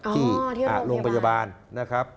ที่โรงพยาบาลนะครับ